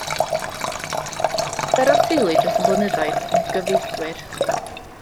Roedd nifer o'r teulu dros y blynyddoedd yn gyfreithwyr.